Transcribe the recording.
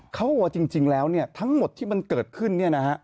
เขาว่าจริงแล้วทั้งหมดที่มันเกิดขึ้น